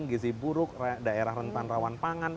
gizi buruk daerah rentan rawan pangan